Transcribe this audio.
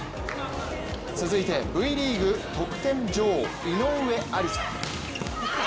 続いて、Ｖリーグ得点女王、井上愛里沙。